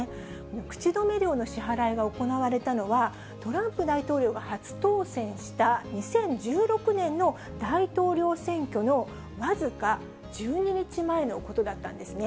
口止め料の支払いが行われたのは、トランプ大統領が初当選した２０１６年の大統領選挙の僅か１２日前のことだったんですね。